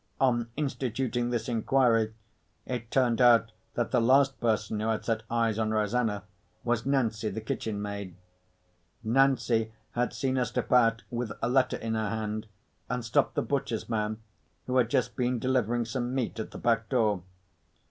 On instituting this inquiry, it turned out that the last person who had set eyes on Rosanna was Nancy, the kitchenmaid. Nancy had seen her slip out with a letter in her hand, and stop the butcher's man who had just been delivering some meat at the back door.